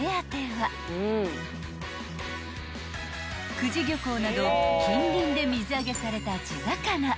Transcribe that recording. ［久慈漁港など近隣で水揚げされた］